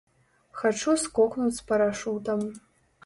Хачу скокнуць з парашутам.